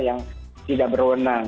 yang tidak berwenang